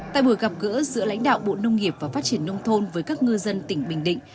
tại buổi gặp gỡ giữa lãnh đạo bộ nông nghiệp và phát triển nông thôn với các ngư dân tỉnh bình định